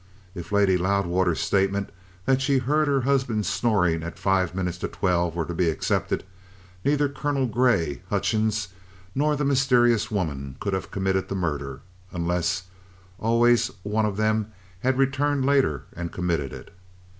If Lady Loudwater's statement that she heard her husband snoring at five minutes to twelve were to be accepted, neither Colonel Grey, Hutchings, nor the mysterious woman could have committed the murder unless always one of them had returned later and committed it.